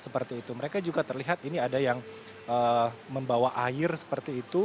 seperti itu mereka juga terlihat ini ada yang membawa air seperti itu